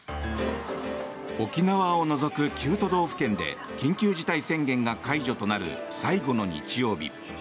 沖縄を除く９都道府県で緊急事態宣言が解除となる最後の日曜日。